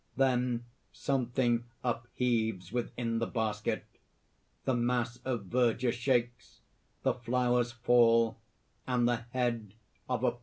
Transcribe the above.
Then something upheaves within the basket. The mass of verdure shakes; the flowers fall, and the head of a python appears.